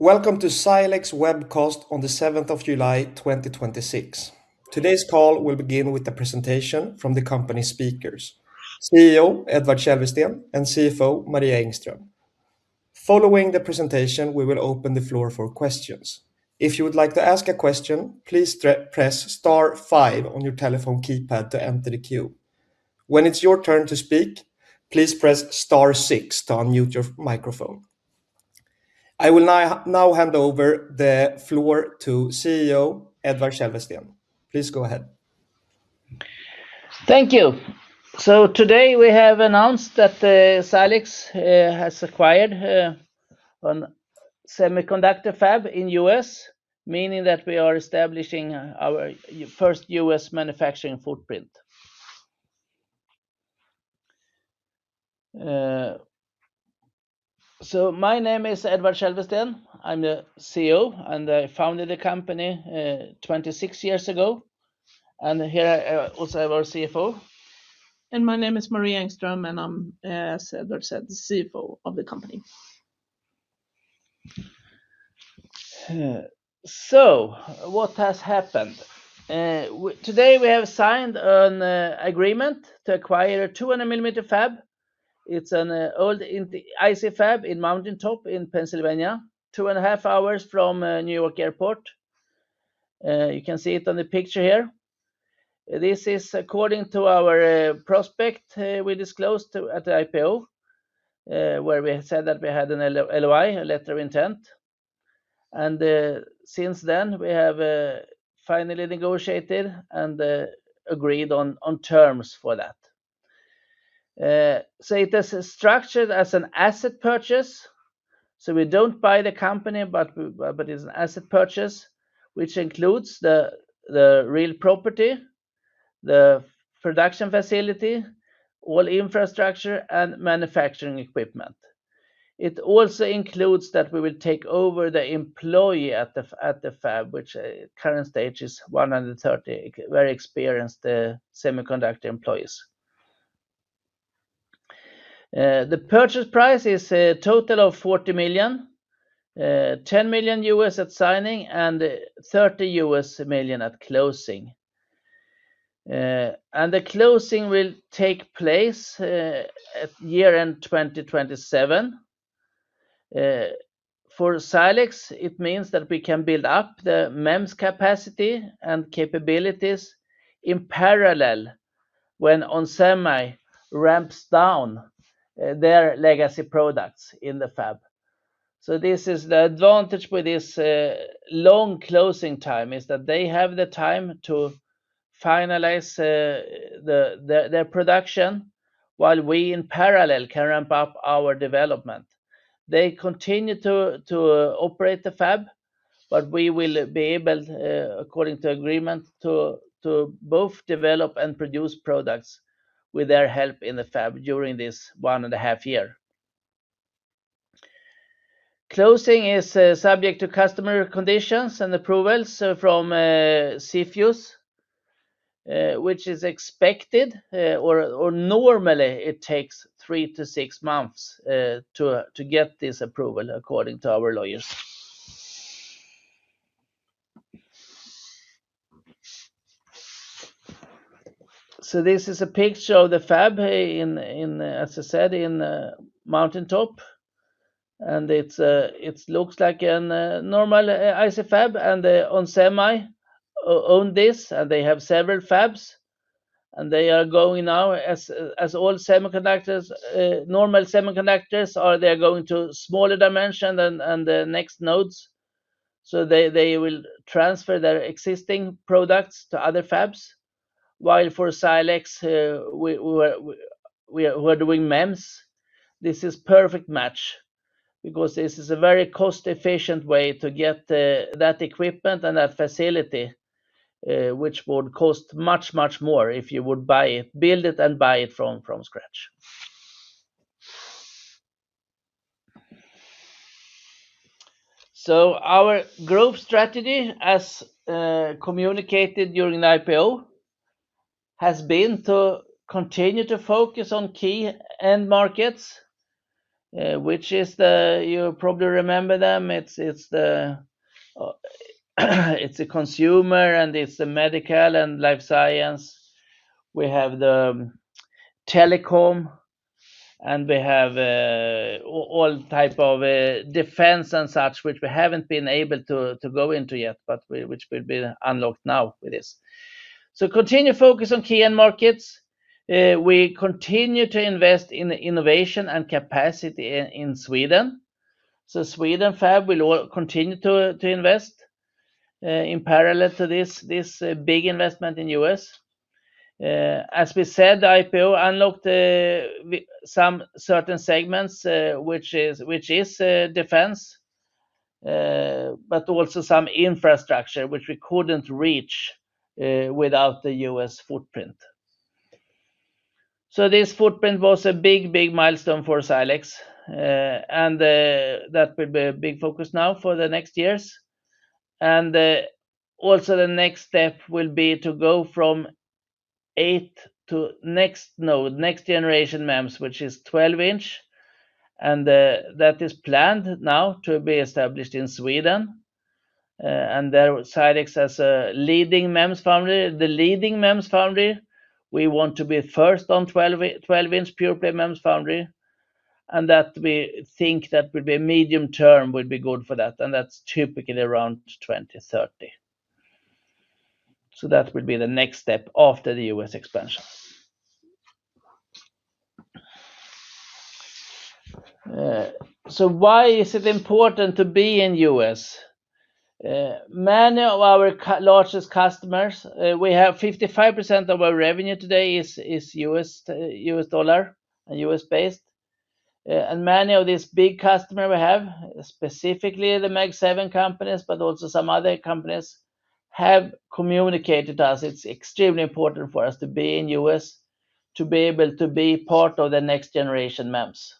Welcome to Silex webcast on July 7th, 2026. Today's call will begin with a presentation from the company speakers, CEO Edvard Kälvesten and CFO Maria Engström. Following the presentation, we will open the floor for questions. If you would like to ask a question, please press star five on your telephone keypad to enter the queue. When it's your turn to speak, please press star six to unmute your microphone. I will now hand over the floor to CEO Edvard Kälvesten. Please go ahead. Thank you. Today we have announced that Silex has acquired a semiconductor fab in U.S., meaning that we are establishing our first U.S. manufacturing footprint. My name is Edvard Kälvesten, I'm the CEO, and I founded the company 26 years ago, and here also our CFO. My name is Maria Engström, and I'm, as Edvard said, the CFO of the company. What has happened? Today we have signed an agreement to acquire 200 mm fab. It's an old IC fab in Mountain Top in Pennsylvania, two and a half hours from New York Airport. You can see it on the picture here. This is according to our prospectus we disclosed at the IPO, where we said that we had an LOI, a letter of intent, and since then, we have finally negotiated and agreed on terms for that. It is structured as an asset purchase, so we don't buy the company, but it's an asset purchase, which includes the real property, the production facility, all infrastructure, and manufacturing equipment. It also includes that we will take over the employee at the fab, which at current stage is 130 very experienced semiconductor employees. The purchase price is a total of $40 million, $10 million at signing and $30 million at closing. The closing will take place at year-end 2027. For Silex, it means that we can build up the MEMS capacity and capabilities in parallel when onsemi ramps down their legacy products in the fab. This is the advantage with this long closing time, is that they have the time to finalize their production while we, in parallel, can ramp up our development. They continue to operate the fab, but we will be able, according to agreement, to both develop and produce products with their help in the fab during this one and a half year. Closing is subject to customary conditions and approvals from CFIUS, which is expected, or normally it takes three to six months to get this approval, according to our lawyers. This is a picture of the fab, as I said, in Mountain Top, and it looks like a normal IC fab and onsemi own this, and they have several fabs, and they are going now as all semiconductors, normal semiconductors are, they're going to smaller dimension and the next nodes, so they will transfer their existing products to other fabs. While for Silex, we are doing MEMS. This is perfect match because this is a very cost-efficient way to get that equipment and that facility, which would cost much more if you would build it and buy it from scratch. Our growth strategy, as communicated during the IPO, has been to continue to focus on key end markets, which is the, you probably remember them, it's the consumer, and it's the medical and life science. We have the telecom, and we have all type of defense and such, which we haven't been able to go into yet, but which will be unlocked now with this. Continue focus on key end markets. We continue to invest in innovation and capacity in Sweden. Sweden fab will continue to invest, in parallel to this big investment in U.S. As we said, the IPO unlocked some certain segments, which is defense, but also some infrastructure, which we couldn't reach, without the U.S. footprint. This footprint was a big milestone for Silex. That will be a big focus now for the next years. Also the next step will be to go from 8 in to next generation MEMS, which is 12 in, and that is planned now to be established in Sweden. There Silex has a leading MEMS foundry. The leading MEMS foundry. We want to be first on 12 in pure-play MEMS foundry, and that we think that would be a medium term would be good for that, and that's typically around 2030. That will be the next step after the U.S. expansion. Why is it important to be in U.S.? Many of our largest customers, we have 55% of our revenue today is U.S. dollar and U.S.-based. Many of these big customer we have, specifically the Mag7 companies, but also some other companies, have communicated to us it's extremely important for us to be in U.S. to be able to be part of the next generation MEMS.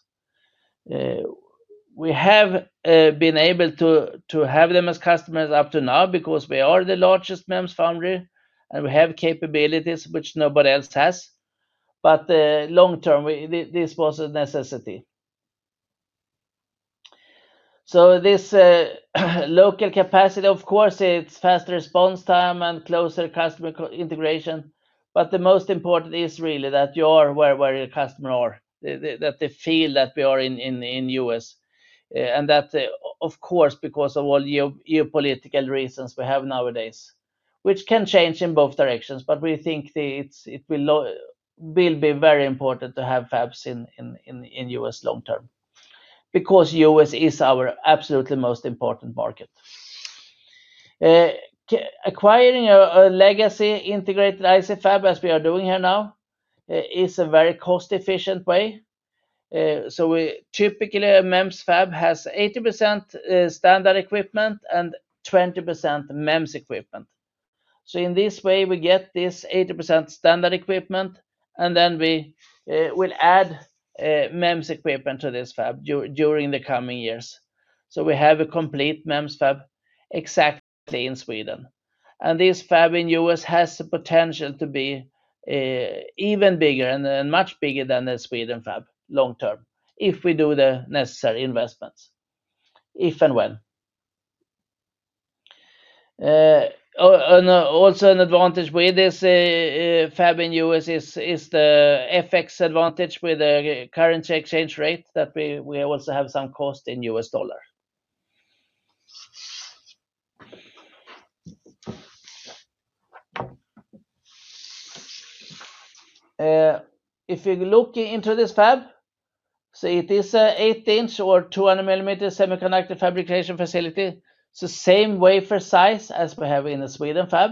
We have been able to have them as customers up to now because we are the largest MEMS foundry, and we have capabilities which nobody else has. Long term, this was a necessity. This local capacity, of course, it is fast response time and closer customer integration. But the most important is really that you are where your customer are, that they feel that we are in U.S. And that, of course, because of all geopolitical reasons we have nowadays, which can change in both directions. But we think that it will be very important to have fabs in U.S. long term because U.S. is our absolutely most important market. Acquiring a legacy integrated IC fab, as we are doing here now, is a very cost-efficient way. Typically, a MEMS fab has 80% standard equipment and 20% MEMS equipment. In this way, we get this 80% standard equipment, and then we will add MEMS equipment to this fab during the coming years. We have a complete MEMS fab exactly in Sweden. This fab in U.S. has the potential to be even bigger and much bigger than the Sweden fab long term if we do the necessary investments, if and when. Also an advantage with this fab in U.S. is the FX advantage with the currency exchange rate that we also have some cost in U.S. dollar. If you look into this fab, it is an 8 in or 200 mm semiconductor fabrication facility. It is the same wafer size as we have in the Sweden fab.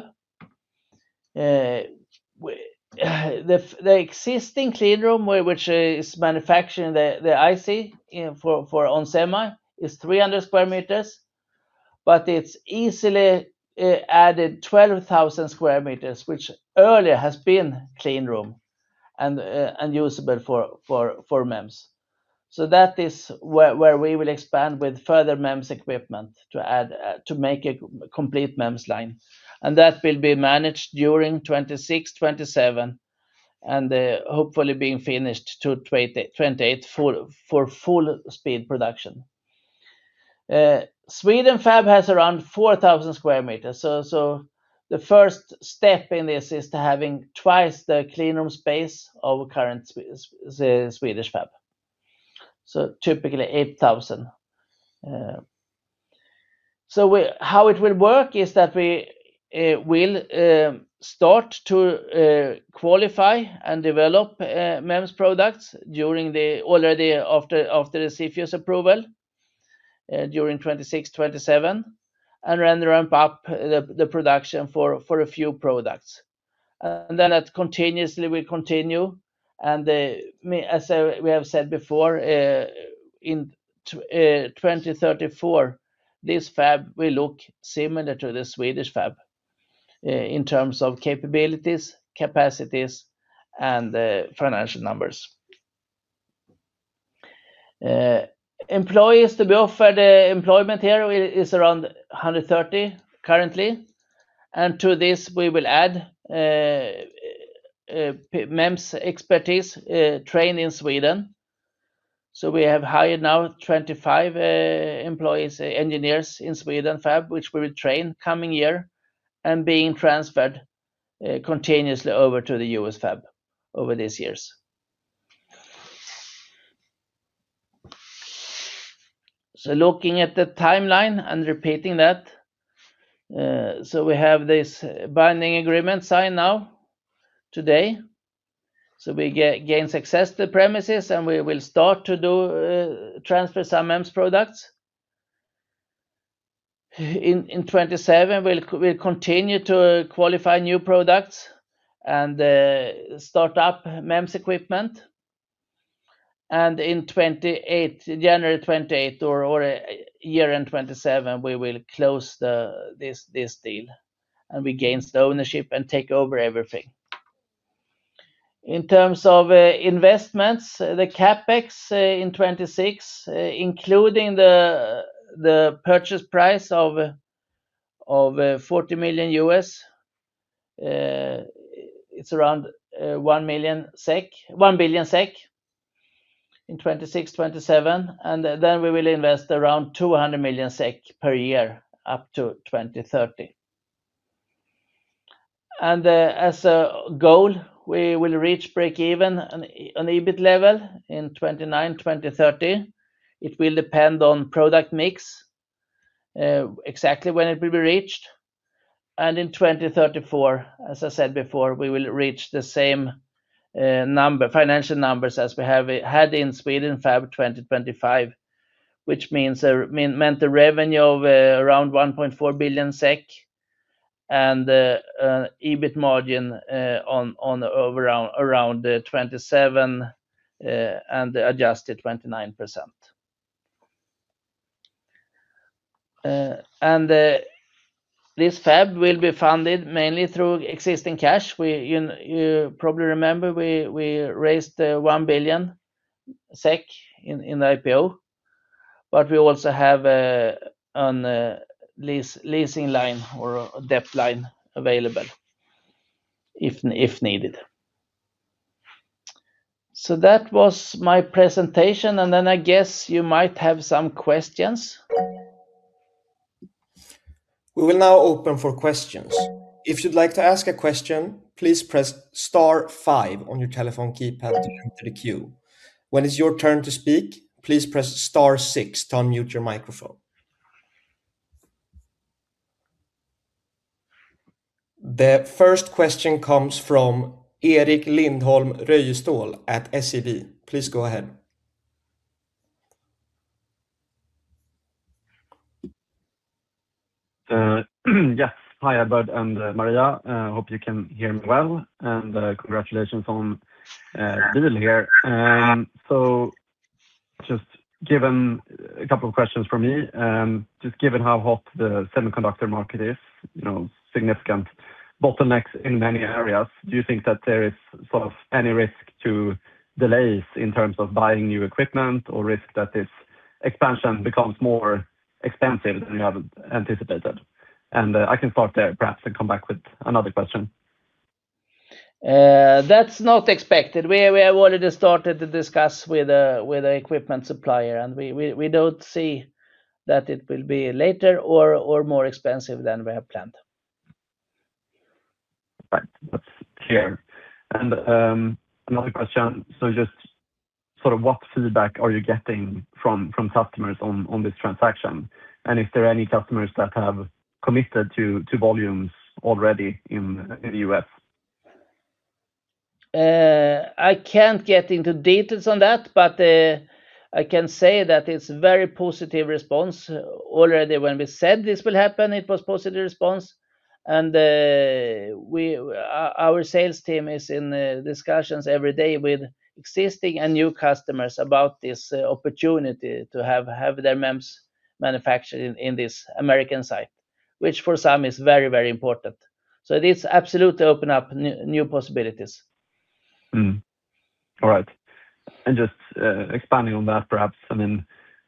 The existing cleanroom, which is manufacturing the IC for onsemi, is 3,000 sq m. But it is easily added 12,000 sq m, which earlier has been cleanroom and usable for MEMS. That is where we will expand with further MEMS equipment to make a complete MEMS line. That will be managed during 2026-2027, and hopefully being finished to 2028 for full speed production. Sweden fab has around 4,000 sq m. The first step in this is to having twice the cleanroom space of current Swedish fab. Typically 8,000 sq m. How it will work is that we will start to qualify and develop MEMS products already after the CFIUS approval during 2026-2027, and then ramp up the production for a few products. And then that continuously will continue. As we have said before, in 2034, this fab will look similar to the Swedish fab in terms of capabilities, capacities, and financial numbers. Employees to be offered employment here is around 130 currently. And to this, we will add MEMS expertise trained in Sweden. We have hired now 25 employees, engineers in Sweden fab, which we will train coming year and being transferred continuously over to the U.S. fab over these years. Looking at the timeline and repeating that. We have this binding agreement signed now today. We gain access to the premises, and we will start to transfer some MEMS products. In 2027, we will continue to qualify new products and start up MEMS equipment. And in January 2028 or year end 2027, we will close this deal, and we gain ownership and take over everything. In terms of investments, the CapEx in 2026, including the purchase price of $40 million, it is around 1 billion SEK in 2026-2027. And then we will invest around 200 million SEK per year up to 2030. And as a goal, we will reach break even on EBIT level in 2029-2030. It will depend on product mix, exactly when it will be reached. In 2034, as I said before, we will reach the same financial numbers as we had in Sweden fab 2025, which meant a revenue of around 1.4 billion SEK and EBIT margin around 27% and adjusted 29%. This fab will be funded mainly through existing cash. You probably remember we raised 1 billion SEK in the IPO, but we also have a leasing line or a debt line available if needed. That was my presentation, I guess you might have some questions. We will now open for questions. If you'd like to ask a question, please press star five on your telephone keypad to enter the queue. When it's your turn to speak, please press star six to unmute your microphone. The first question comes from Erik Lindholm-Röjestål at SEB. Please go ahead. Yes. Hi, Edvard and Maria. Hope you can hear me well, congratulations on the deal here. A couple of questions from me. Just given how hot the semiconductor market is, significant bottlenecks in many areas, do you think that there is any risk to delays in terms of buying new equipment or risk that this expansion becomes more expensive than you have anticipated? I can start there, perhaps, and come back with another question. That's not expected. We have already started to discuss with the equipment supplier, we don't see that it will be later or more expensive than we have planned. Right. That's clear. Another question, just what feedback are you getting from customers on this transaction? Is there any customers that have committed to volumes already in the U.S.? I can't get into details on that, but I can say that it's very positive response. Already when we said this will happen, it was positive response. Our sales team is in discussions every day with existing and new customers about this opportunity to have their MEMS manufactured in this American site, which for some is very important. It is absolutely open up new possibilities. All right. Just expanding on that, perhaps.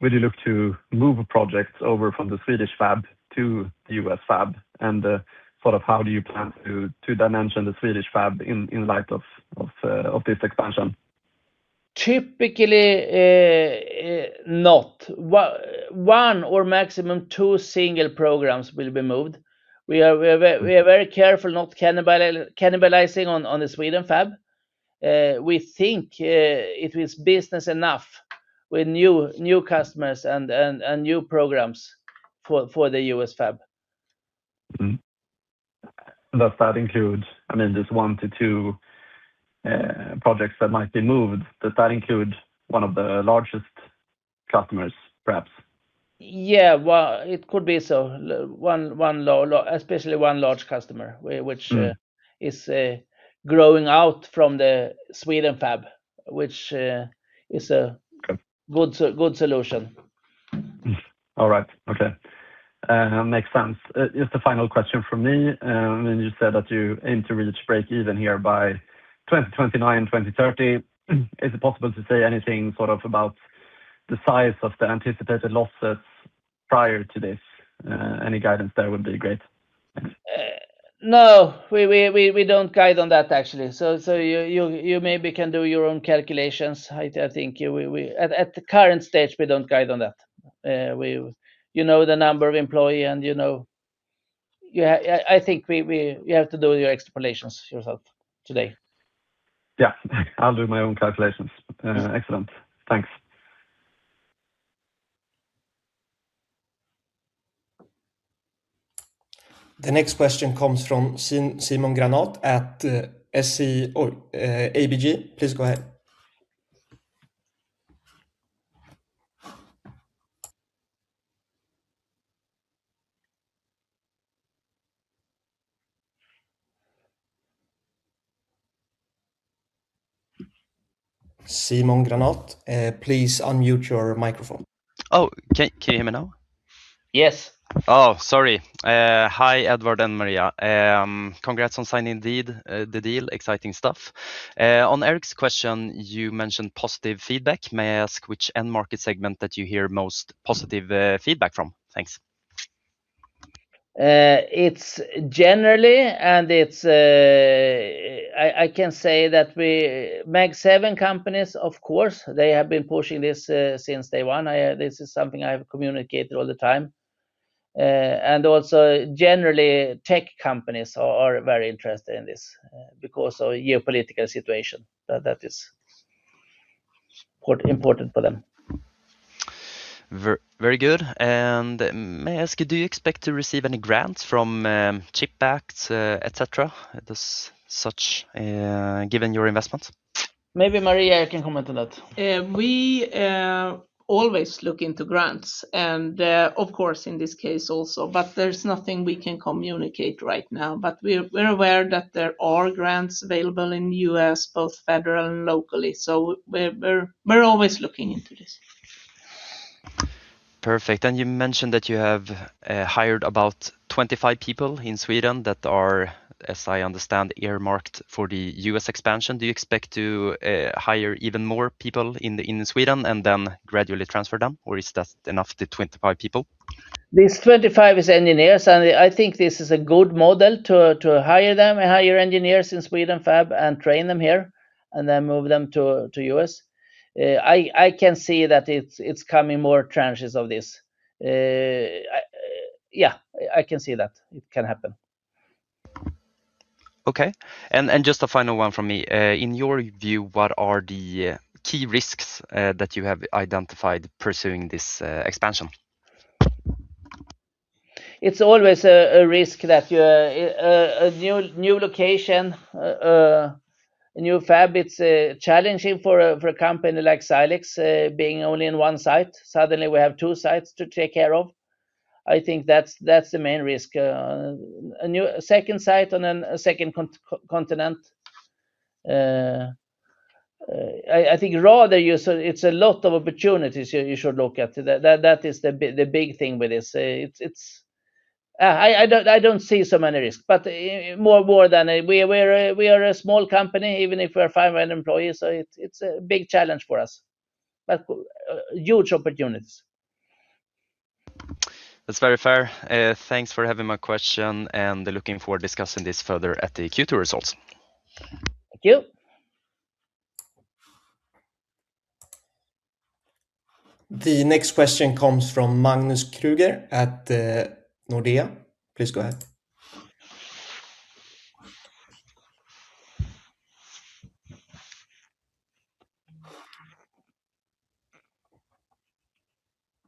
Will you look to move projects over from the Swedish fab to the U.S. fab? How do you plan to dimension the Swedish fab in light of this expansion? Typically, not. One or maximum two single programs will be moved. We are very careful not cannibalizing on the Sweden fab. We think it is business enough with new customers and new programs for the U.S. fab. That includes, just one to two projects that might be moved. Does that include one of the largest customers, perhaps? Yeah. Well, it could be so. Especially one large customer, which is growing out from the Sweden fab, which is a good solution. All right. Okay. Makes sense. Just a final question from me. When you said that you aim to reach break even here by 2029-2030, is it possible to say anything about the size of the anticipated losses prior to this? Any guidance there would be great. Thanks. No, we don't guide on that, actually. You maybe can do your own calculations. At the current stage, we don't guide on that. You know the number of employee and I think you have to do your extrapolations yourself today. Yeah. I'll do my own calculations. Excellent. Thanks. The next question comes from Simon Granath at SC ABG. Please go ahead. Simon Granath, please unmute your microphone. Oh, can you hear me now? Yes. Oh, sorry. Hi, Edvard and Maria. Congrats on signing the deal. Exciting stuff. On Erik's question, you mentioned positive feedback. May I ask which end market segment that you hear most positive feedback from? Thanks. It's generally, I can say that Mag7 companies, of course, they have been pushing this since day one. This is something I've communicated all the time. Also generally, tech companies are very interested in this because of geopolitical situation. That is important for them. Very good. May I ask you, do you expect to receive any grants from CHIPS Act, etc, given your investments? Maybe Maria can comment on that. We always look into grants and, of course, in this case also, there's nothing we can communicate right now. We're aware that there are grants available in the U.S., both federal and locally. We're always looking into this. Perfect. You mentioned that you have hired about 25 people in Sweden that are, as I understand, earmarked for the U.S. expansion. Do you expect to hire even more people in Sweden and then gradually transfer them, or is that enough, the 25 people? These 25 is engineers, and I think this is a good model to hire them, hire engineers in Sweden fab and train them here and then move them to U.S. I can see that it's coming more tranches of this. Yeah, I can see that it can happen. Okay. Just a final one from me. In your view, what are the key risks that you have identified pursuing this expansion? It's always a risk that a new location, a new fab, it's challenging for a company like Silex, being only in one site. Suddenly we have two sites to take care of. I think that's the main risk. A second site on a second continent. I think rather, it's a lot of opportunities you should look at. That is the big thing with this. I don't see so many risks, but more than we are a small company, even if we are 500 employees. It's a big challenge for us, but huge opportunities. That's very fair. Thanks for having my question, and looking forward discussing this further at the Q2 results. Thank you. The next question comes from Magnus Kruber at Nordea. Please go ahead.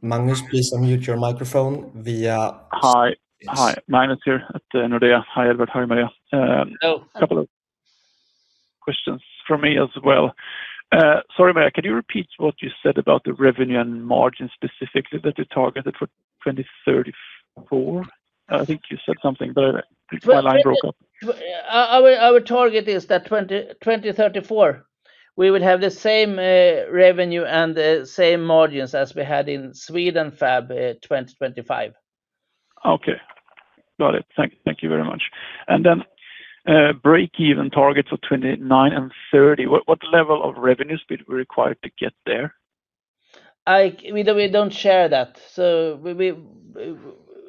Magnus, please unmute your microphone. Hi, Magnus here at Nordea. Hi, Edvard. Hi, Maria. Hello. A couple of questions from me as well. Sorry, Edvard, can you repeat what you said about the revenue and margin specifically that you targeted for 2034? I think you said something, but my line broke up. Our target is that 2034, we will have the same revenue and the same margins as we had in Sweden fab, 2025. Okay, got it. Thank you very much. Then, break-even targets for 2029 and 2030. What level of revenue speed we required to get there? We don't share that.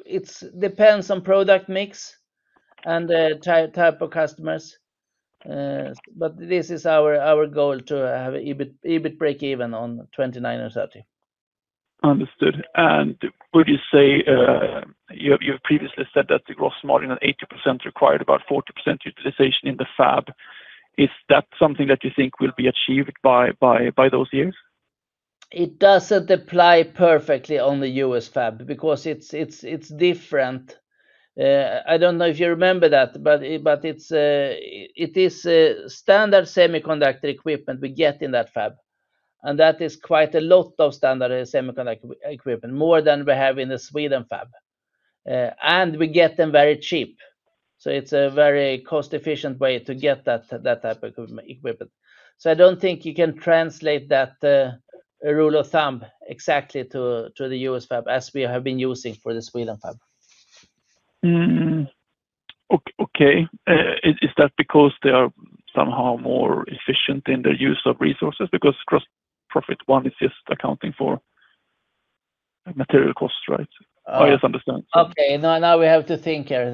It depends on product mix and the type of customers. This is our goal to have EBIT break even on 2029 and 2030. Understood. Would you say, you have previously said that the gross margin at 80% required about 40% utilization in the fab. Is that something that you think will be achieved by those years? It doesn't apply perfectly on the U.S. fab because it's different. I don't know if you remember that, but it is standard semiconductor equipment we get in that fab, and that is quite a lot of standard semiconductor equipment, more than we have in the Sweden fab. We get them very cheap. It's a very cost-efficient way to get that type of equipment. I don't think you can translate that rule of thumb exactly to the U.S. fab as we have been using for the Sweden fab. Okay. Is that because they are somehow more efficient in their use of resources? Because gross profit, one is just accounting for material costs, right? Oh, yes. Understand. Okay. Now we have to think here.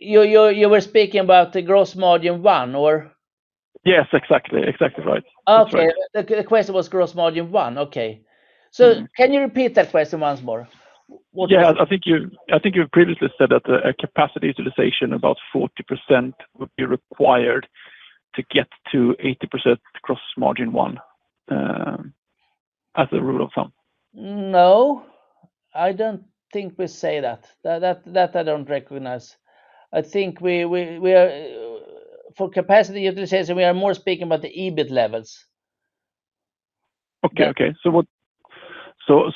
You were speaking about the gross margin one or? Yes, exactly right. Okay. The question was gross margin one. Okay. Can you repeat that question once more? Yeah, I think you previously said that a capacity utilization about 40% would be required to get to 80% gross margin one as a rule of thumb. No, I don't think we say that. That I don't recognize. I think for capacity utilization, we are more speaking about the EBIT levels. Okay. What would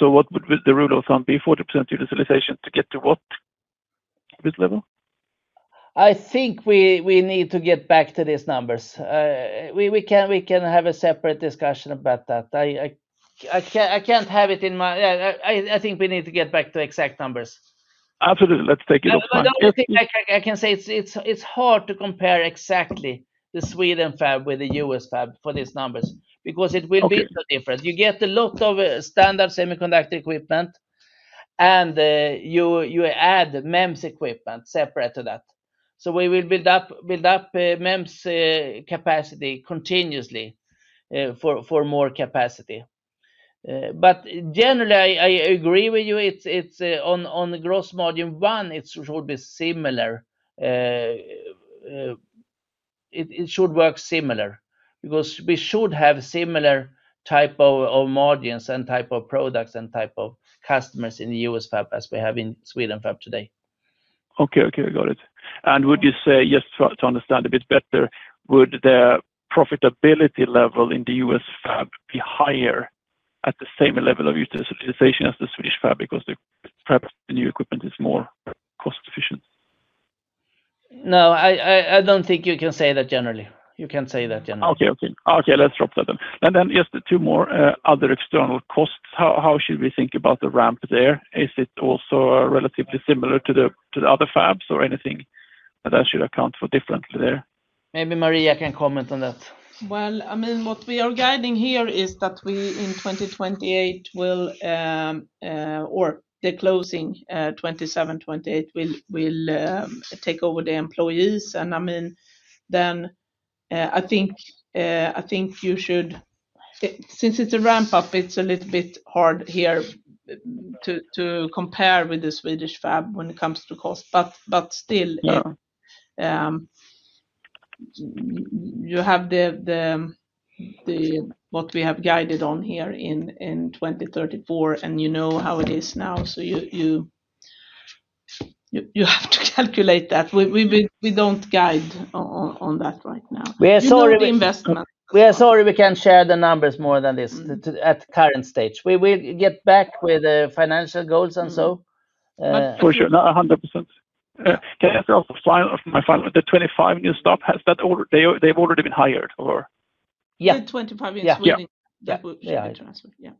the rule of thumb be? 40% utilization to get to what risk level? I think we need to get back to these numbers. We can have a separate discussion about that. I think we need to get back to exact numbers. Absolutely. Let's take it. The only thing I can say, it's hard to compare exactly the Sweden fab with the U.S. fab for these numbers, because it will be a little different. You get a lot of standard semiconductor equipment, and you add MEMS equipment separate to that. We will build up MEMS capacity continuously for more capacity. Generally, I agree with you. On gross margin, one, it should work similar, because we should have similar type of margins and type of products and type of customers in the U.S. fab as we have in Sweden fab today. Okay. Got it. Would you say, just to understand a bit better, would the profitability level in the U.S. Fab be higher at the same level of utilization as the Swedish Fab because perhaps the new equipment is more cost-efficient? No, I don't think you can say that generally. Okay. Let's drop that then. Then just two more other external costs. How should we think about the ramp there? Is it also relatively similar to the other fabs or anything that I should account for differently there? Maybe Maria can comment on that. Well, what we are guiding here is that we, in 2028, or the closing 2027-2028, will take over the employees. Then I think, since it's a ramp-up, it's a little bit hard here to compare with the Swedish Fab when it comes to cost- Yeah. ...you have what we have guided on here in 2034, you know how it is now, you have to calculate that. We don't guide on that right now. We are sorry. You know the investment. We are sorry we can't share the numbers more than this at current stage. We will get back with the financial goals and so. For sure. No, 100%. Can I ask my final, the 25 new staff, they've already been hired or? Yeah. The 25 is really, that will be transferred, yeah.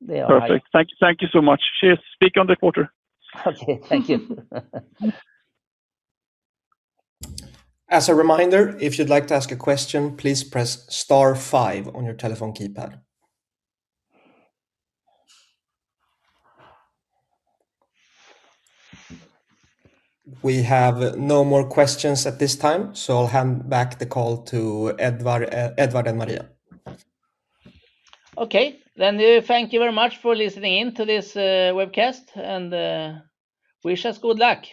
They are hired. Perfect. Thank you so much. Cheers. Speak on the quarter. Okay. Thank you. As a reminder, if you'd like to ask a question, please press star five on your telephone keypad. We have no more questions at this time, I'll hand back the call to Edvard and Maria. Okay. Thank you very much for listening in to this webcast, and wish us good luck.